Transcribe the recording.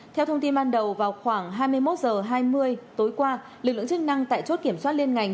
theo thông tin ban đầu vào khoảng hai mươi một h hai mươi tối qua lực lượng chức năng tại chốt kiểm soát liên ngành